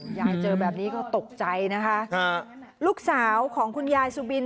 ยายเจอแบบนี้ก็ตกใจนะคะลูกสาวของคุณยายสุบิน